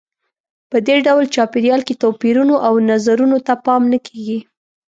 په دې ډول چاپېریال کې توپیرونو او نظرونو ته پام نه کیږي.